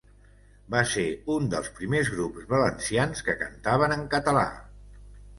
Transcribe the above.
Va ser un dels primers grups valencians que cantaven en català.